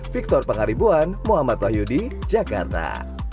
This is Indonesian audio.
victor pangaribuan muhammad wahyudi jakarta